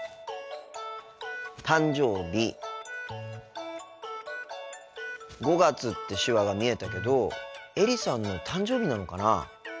「誕生日」「５月」って手話が見えたけどエリさんの誕生日なのかな？